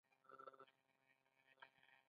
مېلمانه کور ته راورسېدل .